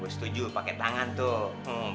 setuju pakai tangan tuh